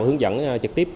hướng dẫn trực tiếp